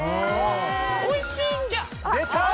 おいしいんじゃ！